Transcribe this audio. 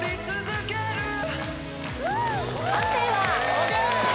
ＯＫ！